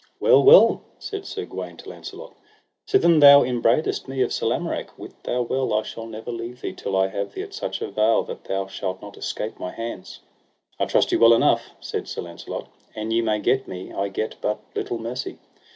Well, well, said Sir Gawaine to Launcelot, sithen thou enbraidest me of Sir Lamorak, wit thou well I shall never leave thee till I have thee at such avail that thou shalt not escape my hands. I trust you well enough, said Sir Launcelot, an ye may get me I get but little mercy.